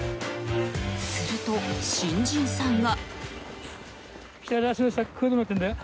すると、新人さんが。